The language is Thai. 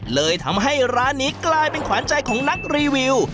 เลยทำให้ร้านนี้กลายเป็นขวานใจของนักรีวิว